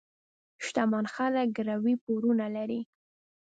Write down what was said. شتمن خلک ګروۍ پورونه لري.